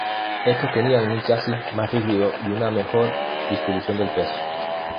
Estos tenían un chasis más rígido y una mejor distribución del peso.